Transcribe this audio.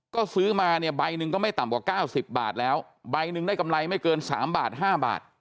ก็ซื้อมาเนี่ยใบหนึ่งก็ไม่ต่ำกว่า๙๐บาทแล้วใบหนึ่งได้กำไรไม่เกิน๓บาท๕บาท